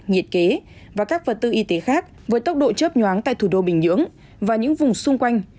nhiệt kế và các vật tư y tế khác với tốc độ chớp nhoáng tại thủ đô bình nhưỡng và những vùng xung quanh